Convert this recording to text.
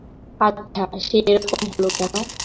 আচ্ছা, সে এ রকম হল কেন?